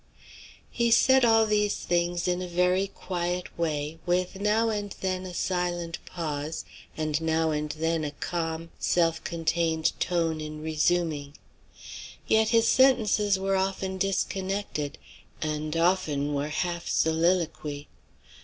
He said all these things in a very quiet way, with now and then a silent pause, and now and then a calm, self contained tone in resuming; yet his sentences were often disconnected, and often were half soliloquy.